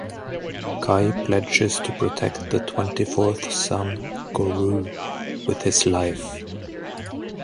Cai pledges to protect the twenty-fourth son, Goreu, with his life.